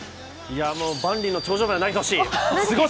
万里の長城まで投げてほしい。